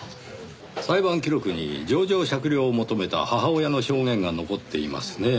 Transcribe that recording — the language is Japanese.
裁判記録に情状酌量を求めた母親の証言が残っていますねぇ。